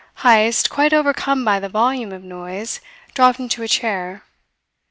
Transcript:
Heyst, quite overcome by the volume of noise, dropped into a chair.